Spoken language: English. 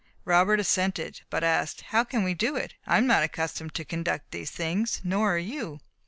Robert assented, but asked, "How can we do it? I am not accustomed to conduct these things, nor are you."